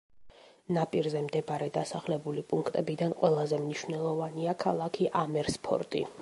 ნაპირზე მდებარე დასახლებული პუნქტებიდან ყველაზე მნიშვნელოვანია ქალაქი ამერსფორტი.